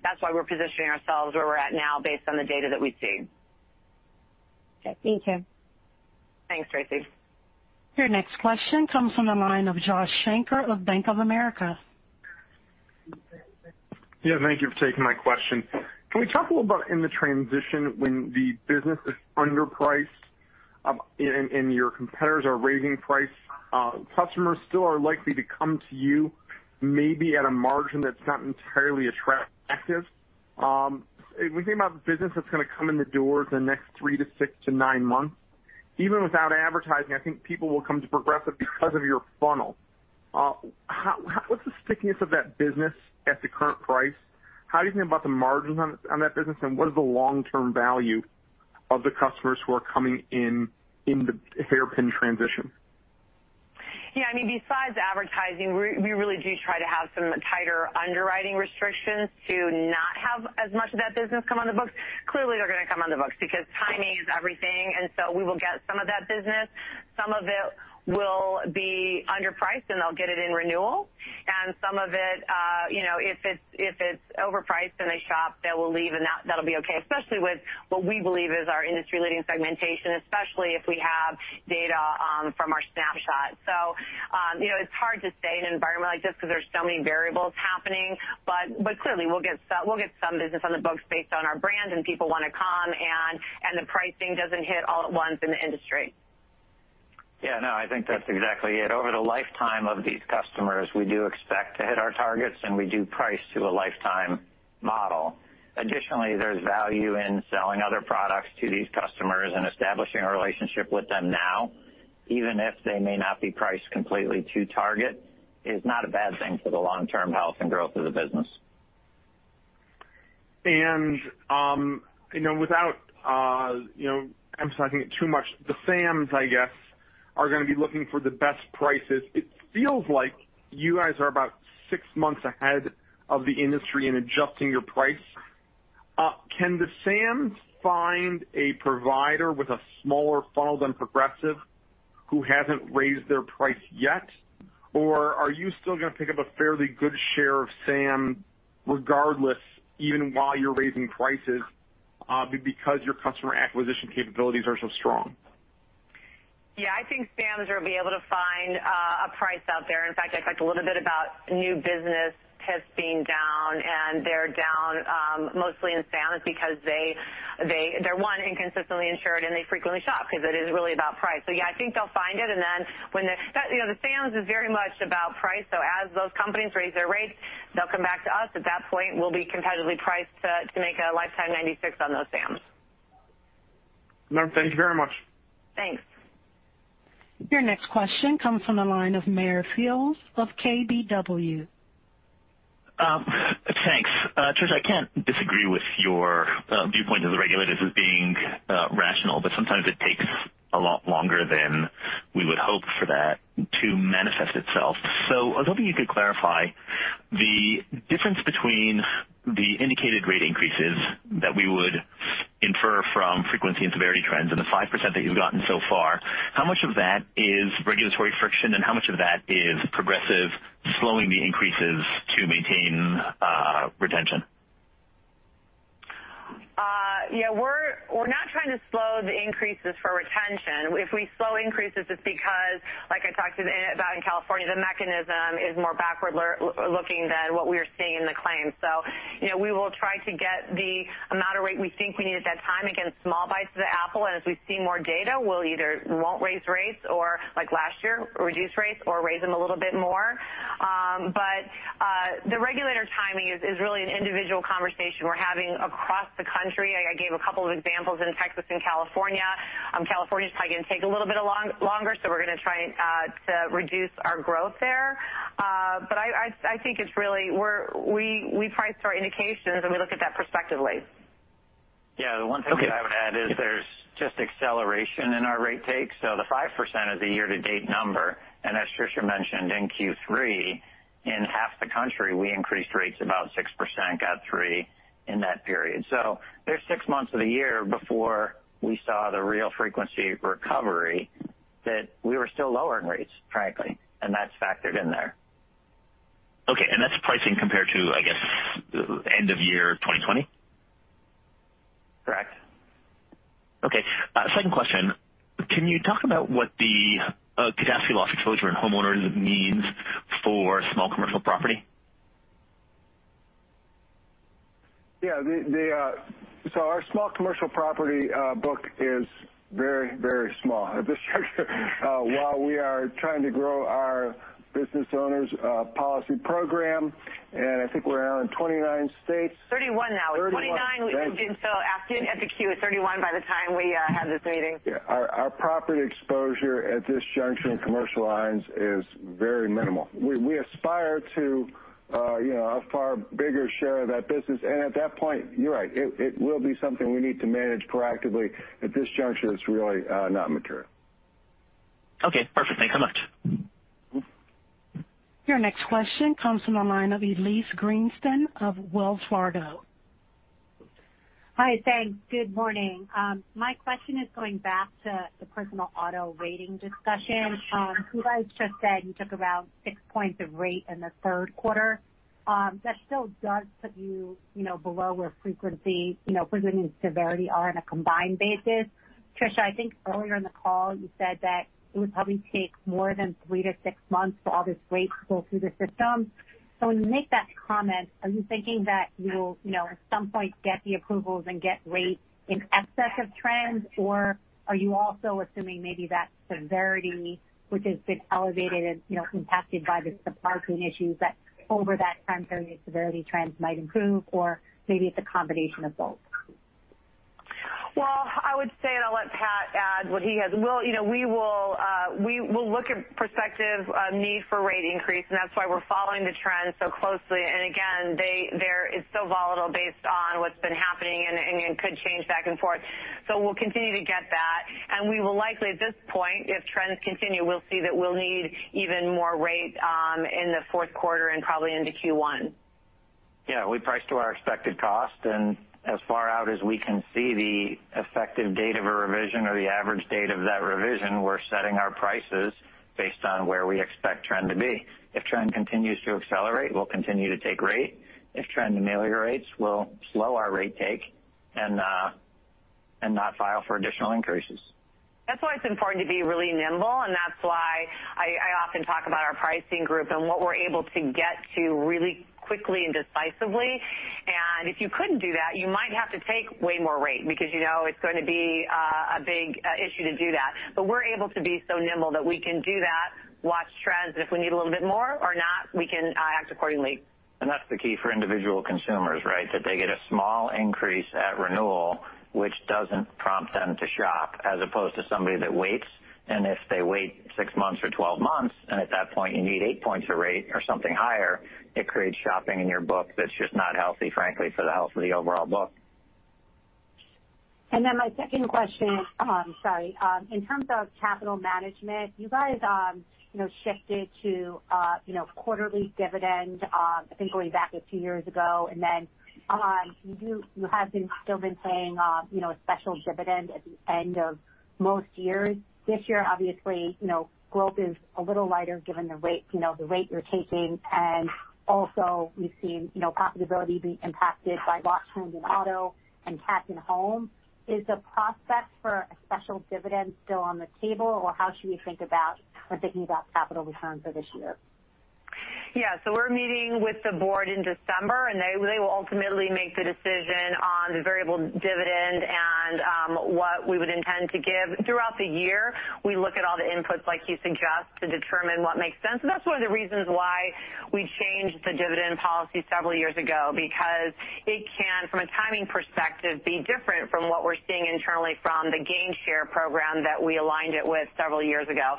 that's why we're positioning ourselves where we're at now based on the data that we see. Okay. Thank you. Thanks, Tracy. Your next question comes from the line of Josh Shanker of Bank of America. Yeah, thank you for taking my question. Can we talk a little about the transition when the business is underpriced, and your competitors are raising price, customers still are likely to come to you maybe at a margin that's not entirely attractive. When we think about the business that's going to come in the door the next three to six to nine months, even without advertising, I think people will come to Progressive because of your funnel. What's the stickiness of that business at the current price? How do you think about the margins on that business, and what is the long-term value of the customers who are coming in in the hairpin transition? Yeah, I mean, besides advertising, we really do try to have some tighter underwriting restrictions to not have as much of that business come on the books. Clearly, they're going to come on the books because timing is everything, and so we will get some of that business. Some of it will be underpriced, and they'll get it in renewal. Some of it, you know, if it's overpriced and they shop, they will leave, and that'll be okay, especially with what we believe is our industry-leading segmentation, especially if we have data from our Snapshot. You know, it's hard to say in an environment like this because there's so many variables happening. Clearly, we'll get some business on the books based on our brand, and people want to come, and the pricing doesn't hit all at once in the industry. Yeah, no, I think that's exactly it. Over the lifetime of these customers, we do expect to hit our targets, and we do price to a lifetime model. Additionally, there's value in selling other products to these customers and establishing a relationship with them now, even if they may not be priced completely to target, is not a bad thing for the long-term health and growth of the business. Without you know emphasizing it too much, the Sams, I guess, are going to be looking for the best prices. It feels like you guys are about six months ahead of the industry in adjusting your price. Can the Sams find a provider with a smaller funnel than Progressive who hasn't raised their price yet? Are you still going to pick up a fairly good share of Sams regardless, even while you're raising prices, because your customer acquisition capabilities are so strong? Yeah, I think Sams will be able to find a price out there. In fact, I talked a little bit about new business PIFs being down, and they're down mostly in Sams because they're inconsistently insured, and they frequently shop because it is really about price. Yeah, I think they'll find it. Then when you know, the Sams is very much about price, so as those companies raise their rates, they'll come back to us. At that point, we'll be competitively priced to make a lifetime 96% on those Sams. Ma'am, thank you very much. Thanks. Your next question comes from the line of Meyer Shields of KBW. Thanks. Tricia, I can't disagree with your viewpoint of the regulators as being rational, but sometimes it takes a lot longer than we would hope for that to manifest itself. I was hoping you could clarify the difference between the indicated rate increases that we would infer from frequency and severity trends and the 5% that you've gotten so far. How much of that is regulatory friction, and how much of that is Progressive slowing the increases to maintain retention? Yeah, we're not trying to slow the increases for retention. If we slow increases, it's because, like I talked about in California, the mechanism is more backward-looking than what we are seeing in the claims. You know, we will try to get the amount of rate we think we need at that time. Again, small bites of the apple, and as we see more data, we'll either won't raise rates or, like last year, reduce rates or raise them a little bit more. The regulatory timing is really an individual conversation we're having across the country. I gave a couple of examples in Texas and California. California's probably going to take a little bit longer, so we're going to try to reduce our growth there. I think it's really where we priced our indications, and we look at that prospectively. Yeah. The one thing that I would add is there's just acceleration in our rate takes. The 5% is a year-to-date number. As Tricia mentioned, in Q3, in half the country, we increased rates about 6%, got 3% in that period. There's six months of the year before we saw the real frequency recovery that we were still lowering rates, frankly, and that's factored in there. Okay. That's pricing compared to, I guess, end of year 2020? Correct. Okay. Second question: Can you talk about what the catastrophe loss exposure in Homeowners means for Small Commercial Property? Our Small Commercial Property book is very small at this juncture while we are trying to grow our Business Owners policy program, and I think we're now in 29 states. 31 now. 31. 29 we moved in. At the end of the Q, 31 by the time we had this meeting. Yeah. Our Property exposure at this juncture in commercial lines is very minimal. We aspire to, you know, a far bigger share of that business, and at that point, you're right, it will be something we need to manage proactively. At this juncture, it's really not material. Okay, perfect. Thanks so much. Your next question comes from the line of Elyse Greenspan of Wells Fargo. Hi. Thanks. Good morning. My question is going back to the Personal Auto rating discussion. You guys just said you took around 6 points of rate in the third quarter. That still does put you know, below where frequency, you know, frequency and severity are on a combined basis. Tricia, I think earlier in the call you said that it would probably take more than three to six months for all this rate to go through the system. When you make that comment, are you thinking that you'll, you know, at some point get the approvals and get rates in excess of trends? Or are you also assuming maybe that severity, which has been elevated and, you know, impacted by the supply chain issues, that over that time period, severity trends might improve or maybe it's a combination of both? Well, I would say, and I'll let Pat add what he has. We'll, you know, we will look at prospective need for rate increase, and that's why we're following the trends so closely. Again, they're, it's so volatile based on what's been happening and could change back and forth. We'll continue to get that, and we will likely at this point, if trends continue, we'll see that we'll need even more rate in the fourth quarter and probably into Q1. Yeah. We price to our expected cost, and as far out as we can see the effective date of a revision or the average date of that revision, we're setting our prices based on where we expect trend to be. If trend continues to accelerate, we'll continue to take rate. If trend ameliorates, we'll slow our rate take and not file for additional increases. That's why it's important to be really nimble, and that's why I often talk about our pricing group and what we're able to get to really quickly and decisively. If you couldn't do that, you might have to take way more rate because you know it's going to be a big issue to do that. We're able to be so nimble that we can do that, watch trends, and if we need a little bit more or not, we can act accordingly. That's the key for individual consumers, right? That they get a small increase at renewal, which doesn't prompt them to shop as opposed to somebody that waits. If they wait six months or 12 months, and at that point you need 8 points of rate or something higher, it creates shopping in your book that's just not healthy, frankly, for the health of the overall book. My second question, sorry. In terms of capital management, you guys, you know, shifted to, you know, quarterly dividend, I think going back a few years ago, and then, you have been still paying, you know, a special dividend at the end of most years. This year, obviously, you know, growth is a little lighter given the rate, you know, the rate you're taking, and also we've seen, you know, profitability being impacted by loss trends in auto and cat in home. Is the prospect for a special dividend still on the table? Or how should we think about when thinking about capital returns for this year? Yeah. We're meeting with the board in December, and they will ultimately make the decision on the variable dividend and what we would intend to give. Throughout the year, we look at all the inputs like you suggest to determine what makes sense. That's one of the reasons why we changed the dividend policy several years ago because it can, from a timing perspective, be different from what we're seeing internally from the gain share program that we aligned it with several years ago.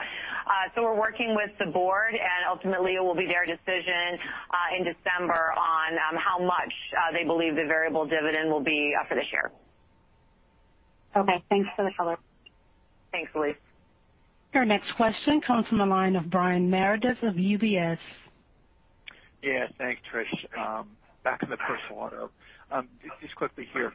We're working with the board, and ultimately it will be their decision in December on how much they believe the variable dividend will be for this year. Okay. Thanks for the color. Thanks, Elyse. Your next question comes from the line of Brian Meredith of UBS. Yeah, thanks, Trish. Back in the Personal Auto. Just quickly here.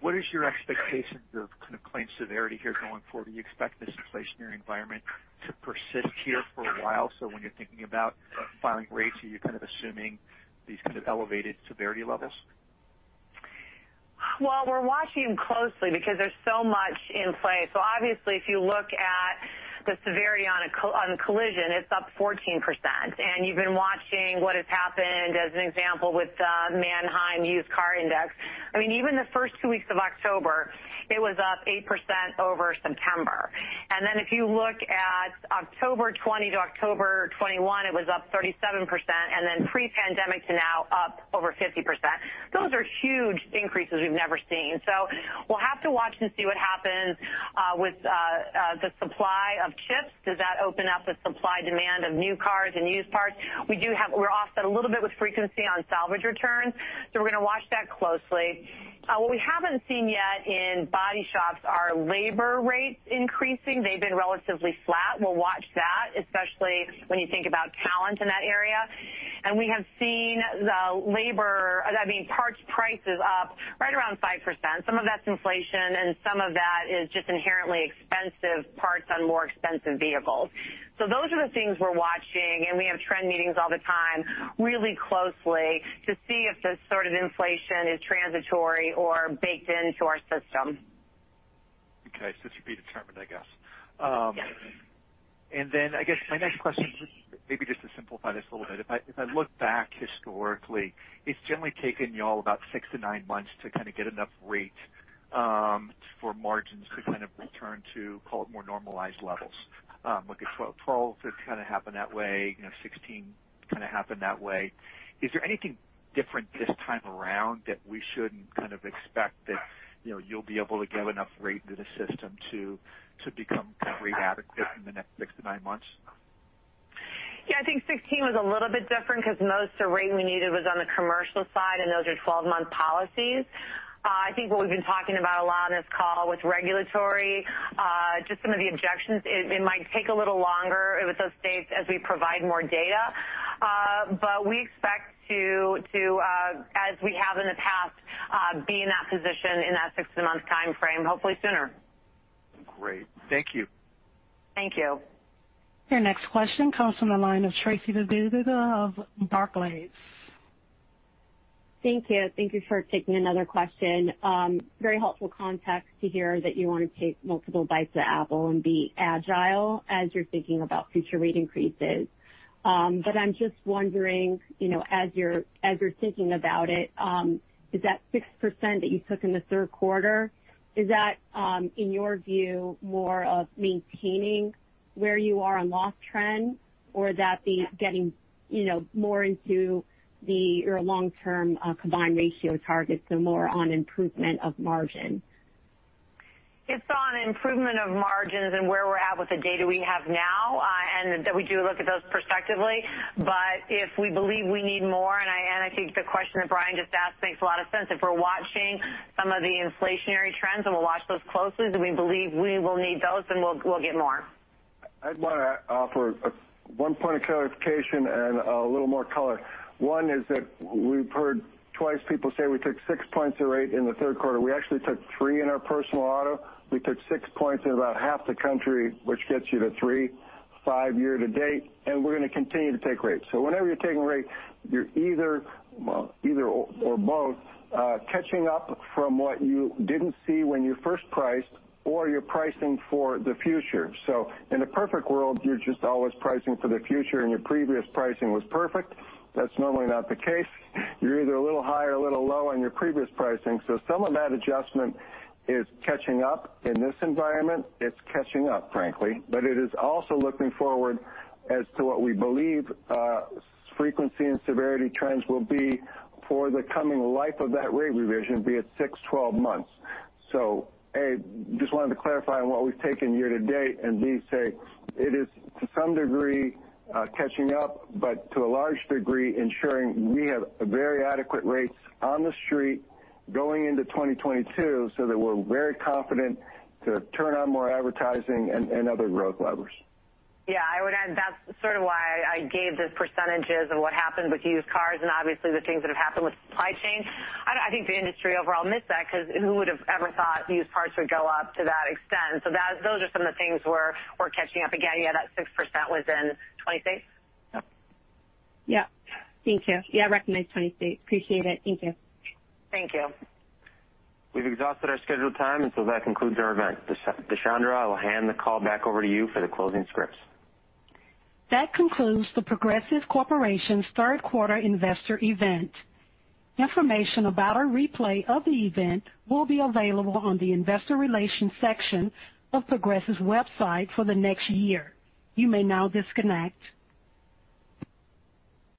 What is your expectations of kind of claim severity here going forward? Do you expect this inflationary environment to persist here for a while? When you're thinking about filing rates, are you kind of assuming these kind of elevated severity levels? Well, we're watching closely because there's so much in play. Obviously, if you look at the severity on collision, it's up 14%. You've been watching what has happened, as an example, with the Manheim Used Vehicle Value Index. I mean, even the first two weeks of October, it was up 8% over September. Then if you look at October 2020 to October 2021, it was up 37%, and then pre-pandemic to now up over 50%. Those are huge increases we've never seen. We'll have to watch and see what happens, as the supply of chips does that open up a supply-demand of new cars and used parts. We're off a little bit with frequency on salvage returns, so we're going to watch that closely. What we haven't seen yet in body shops are labor rates increasing. They've been relatively flat. We'll watch that, especially when you think about talent in that area. We have seen the labor, I mean, parts prices up right around 5%. Some of that's inflation, and some of that is just inherently expensive parts on more expensive vehicles. Those are the things we're watching, and we have trend meetings all the time really closely to see if this sort of inflation is transitory or baked into our system. Okay. To be determined, I guess. Yes. Then I guess my next question, maybe just to simplify this a little bit. If I look back historically, it's generally taken y'all about six to nine months to kind of get enough rate for margins to kind of return to, call it, more normalized levels. Look at 2012 kind of happened that way. You know, 2016 kind of happened that way. Is there anything different this time around that we should kind of expect that, you know, you'll be able to get enough rate to the system to become kind of rate adequate in the next six to nine months? Yeah, I think 2016 was a little bit different because most of the rate we needed was on the Commercial side, and those are 12-month policies. I think what we've been talking about a lot on this call with regulatory, just some of the injunctions, it might take a little longer with those dates as we provide more data. But we expect to, as we have in the past, be in that position in that six- to nine-month timeframe, hopefully sooner. Great. Thank you. Thank you. Your next question comes from the line of Tracy Benguigui of Barclays. Thank you. Thank you for taking another question. Very helpful context to hear that you want to take multiple bites of the apple and be agile as you're thinking about future rate increases. But I'm just wondering, you know, as you're thinking about it, is that 6% that you took in the third quarter, is that, in your view, more of maintaining where you are on loss trend, or is that getting, you know, more into your long-term combined ratio targets and more on improvement of margin? It's on improvement of margins and where we're at with the data, we have now, and that we do look at those prospectively. If we believe we need more, and I think the question that Brian just asked makes a lot of sense. If we're watching some of the inflationary trends, and we'll watch those closely, do we believe we will need those, then we'll get more. I'd want to offer one point of clarification and a little more color. One is that we've heard twice people say we took 6 points of rate in the third quarter. We actually took 3 points in our Personal Auto. We took 6 points in about half the country, which gets you to 3.5 year to date, and we're going to continue to take rates. Whenever you're taking rates, you're either, well, either or both, catching up from what you didn't see when you first priced or you're pricing for the future. In a perfect world, you're just always pricing for the future, and your previous pricing was perfect. That's normally not the case. You're either a little high or a little low on your previous pricing. Some of that adjustment is catching up. In this environment, it's catching up, frankly. It is also looking forward as to what we believe, frequency and severity trends will be for the coming life of that rate revision, be it six, 12 months. A, just wanted to clarify on what we've taken year to date, and B, say it is to some degree, catching up, but to a large degree, ensuring we have very adequate rates on the street going into 2022, so that we're very confident to turn on more advertising and other growth levers. Yeah, I would add that's sort of why I gave the percentages of what happened with used cars and obviously the things that have happened with supply chain. I think the industry overall missed that because who would have ever thought used cars would go up to that extent? Those are some of the things we're catching up. Again, yeah, that 6% was in 2021. Yep. Thank you. Yeah, I recognize 2021. Appreciate it. Thank you. Thank you. We've exhausted our scheduled time, and so that concludes our event. Deshandra, I will hand the call back over to you for the closing scripts. That concludes The Progressive Corporation's third quarter investor event. Information about a replay of the event will be available on the investor relations section of Progressive's website for the next year. You may now disconnect.